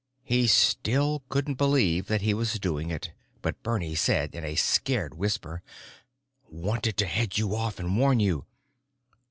He still couldn't believe that he was doing it, but Bernie said in a scared whisper: "Wanted to head you off and warn you.